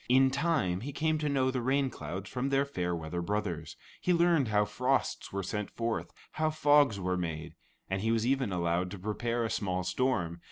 In time he came to know the rain clouds from their fair weather brothers; he learned how frosts were sent forth; how fogs were made; and he was even allowed to prepare a small storm.